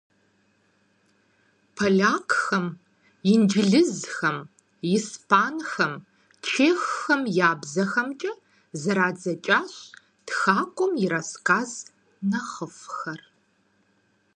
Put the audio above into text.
Полякхэм, инджылызхэм, испанхэм, чеххэм я бзэхэмкӀэ зэрадзэкӀащ тхакӀуэм и рассказ нэхъыфӀхэр.